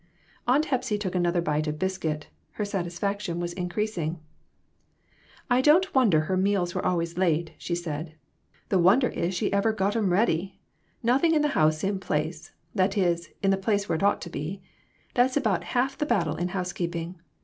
Aunt Hepsy took another bite of biscuit ; her satisfaction was increasing. " I don't wonder her meals were always late," she said. "The wonder is she ever got 'em ready. Nothing in the house in place ; that is, in the place where it ought to be. That's about half the battle in housekeeping.